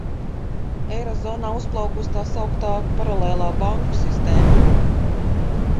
Eirozonā uzplaukusi tā sauktā paralēlā banku sistēma.